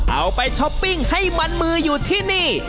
เอาไปช้อปปิ้งให้มันมืออยู่ที่นี่